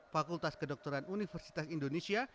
fakultas kedokteran universitas indonesia